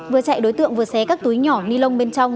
vừa chạy đối tượng vừa xé các túi nhỏ nilon bên trong